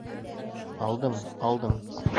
Алдым, алдым.